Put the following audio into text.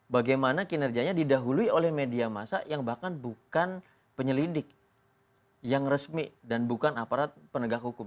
bagaimana kinerjanya didahului oleh media masa yang bahkan bukan penyelidik yang resmi dan bukan aparat penegak hukum